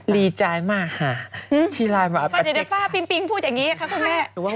รีใจมากค่ะฟันเจนฟ่าปิ๊มปิ๊งพูดอย่างนี้ค่ะคุณแม่